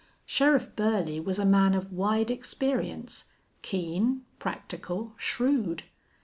Sheriff Burley was a man of wide experience, keen, practical, shrewd.